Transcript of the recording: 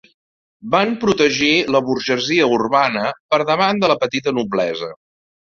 Van protegir la burgesia urbana per davant de la petita noblesa.